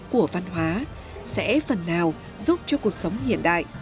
của văn hóa sẽ phần nào giúp cho cuộc sống hiện đại